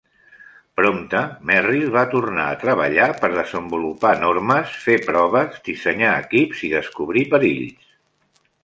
Prompte, Merrill va tornar a treballar per desenvolupar normes, fer proves, dissenyar equips i descobrir perills.